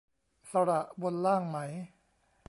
สระบนล่างไหม ?